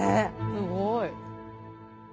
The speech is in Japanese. すごい。